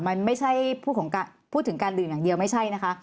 มันไม่ใช่พูดถึงการดื่มอย่างเดียวไม่ใช่นะคะ